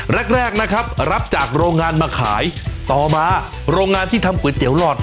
แรกแรกนะครับรับจากโรงงานมาขายต่อมาโรงงานที่ทำก๋วยเตี๋หลอด